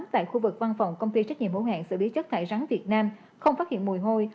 tại khu vực văn phòng công ty trách nhiệm mẫu hạn xử lý chất thải rắn việt nam không phát hiện mùi hôi